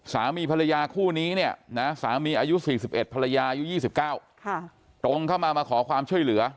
สามีภรรยาคู่นี้เนี่ยนะสามีอายุ๔๑ภรรยาอายุ๒๙ตรงเข้ามามาขอความช่วยเหลือ